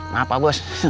maaf pak bos